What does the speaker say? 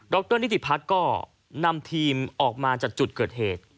รนิติพัฒน์ก็นำทีมออกมาจากจุดเกิดเหตุ